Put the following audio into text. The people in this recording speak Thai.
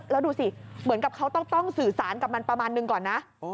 แล้วดูสิเหมือนกับเขาต้องสื่อสารกับมันประมาณนึงก่อนนะ